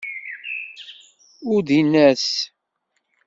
Uddin-as.